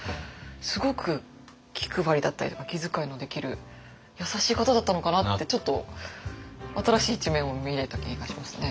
すごく気配りだったりとか気遣いのできる優しい方だったのかなってちょっと新しい一面を見れた気がしますね。